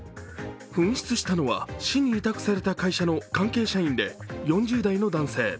紛失したのは市に委託された会社の関係社員で４０代の男性。